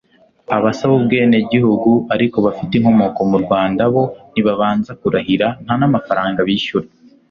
Abasaba ubwenegihugu ariko bafite inkomoko mu Rwanda, bo ntibabanza kurahira, nta n'amafaranga bishyura.